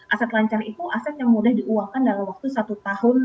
aset lancar itu aset yang mudah diuangkan dalam waktu satu tahun